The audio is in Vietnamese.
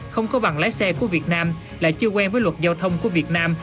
không có bằng lái xe của việt nam lại chưa quen với luật giao thông của việt nam